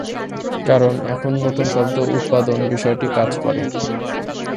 কারণ এখানে নতুন শব্দ উৎপাদন বিষয়টি কাজ করে।